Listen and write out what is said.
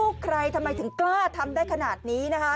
ใครทำไมถึงกล้าทำได้ขนาดนี้นะคะ